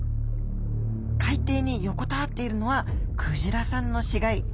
海底に横たわっているのはクジラさんの死骸。